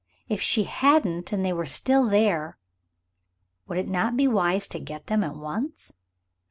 If she hadn't and they were still there, would it not be wise to get them at once?